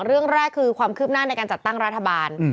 เรื่องแรกคือความคืบหน้าในการจัดตั้งรัฐบาล